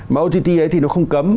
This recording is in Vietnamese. mà ott ấy thì nó không cấm